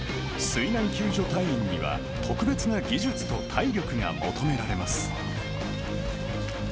水難救助隊員には特別な技術と体力が求められます。